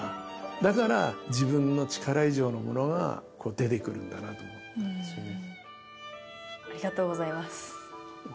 だから自分の力以上のものが出てくるんだなと思ったんですよね。